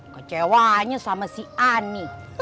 kecewanya sama si ani